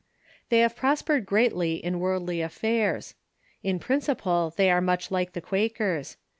They have prospered greatly in worldly affairs. In principle they are much like the Quakers.